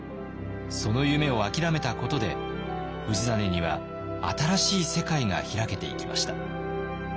その夢をあきらめたことで氏真には新しい世界がひらけていきました。